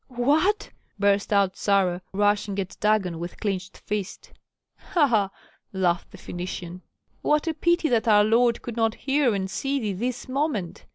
"What?" burst out Sarah, rushing at Dagon with clinched fist. "Ha! ha!" laughed the Phœnician. "What a pity that our lord could not hear and see thee this moment!